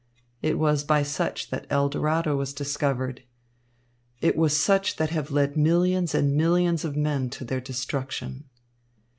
It was by such that El Dorado was discovered. It was such that have led millions and millions of men to their destruction.